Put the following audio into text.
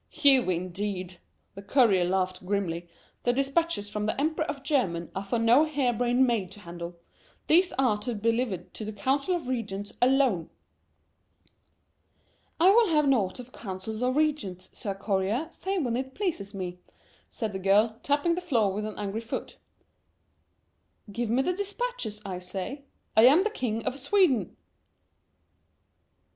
"You, indeed!" The courier laughed grimly. "The dispatches from the Emperor of Germany are for no hairbrained maid to handle. These are to be delivered to the Council of Regents alone." "I will have naught of councils or regents, Sir Courier, save when it pleases me," said the girl, tapping the floor with an angry foot. "Give me the dispatches, I say, I am the King of Sweden!"